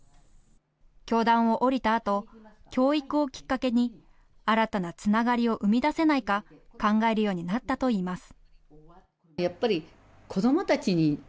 教壇を降りたあと教育をきっかけに新たなつながりを生み出せないか考えるようになったといいます。